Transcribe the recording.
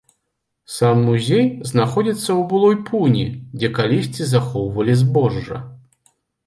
Сам музей знаходзіцца ў былой пуні, дзе калісьці захоўвалі збожжа.